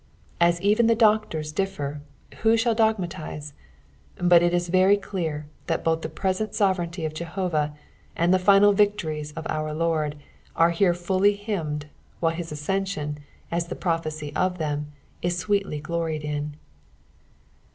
Aa eKtn the dodora differ, tnho shall dogmaiist ? But it is very dear thai both Ihe present soorreignty of Jehovah, and the final vidories nf our hard, ore hireJUty hymned, ahile hia ascension, as tlie prophecy of Ikem. is sweeiiy gloried in.